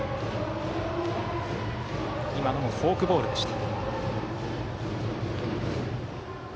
今のもフォークボールでした。